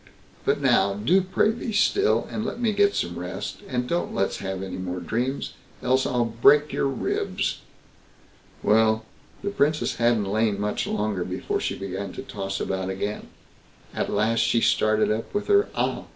But now, do pray be still, and let me get some rest, and don't let's have any more dreams, else I'll break your ribs." Well, the Princess hadn't lain much longer before she began to toss about again. At last she started up with her "Ah!